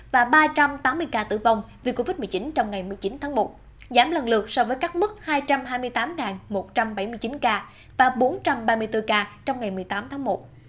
và ba trăm tám mươi ca tử vong vì covid một mươi chín trong ngày một mươi chín tháng một giảm lần lượt so với các mức hai trăm hai mươi tám một trăm bảy mươi chín ca và bốn trăm ba mươi bốn ca trong ngày một mươi tám tháng một